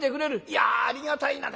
いやありがたいな」。